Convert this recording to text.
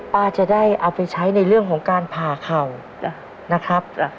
ป้าจะได้เอาไปใช้ในเรื่องของการผ่าเข่านะครับ